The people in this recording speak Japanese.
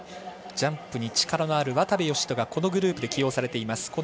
ジャンプに力のある渡部善斗がこのグループで起用されています。